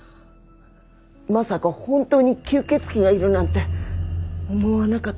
まさか本当に吸血鬼がいるなんて思わなかったからね。